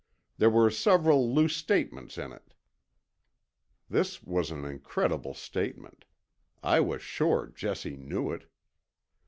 There were several loose statements in it." This was an incredible statement. I was sure Jesse knew it.